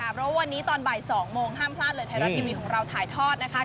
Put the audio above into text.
เพราะวันนี้ตอนบ่าย๒โมงห้ามพลาดเลยไทยรัฐทีวีของเราถ่ายทอดนะคะ